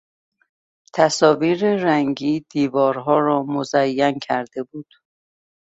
تصاویر رنگی دیوارها را مزین کرده بود.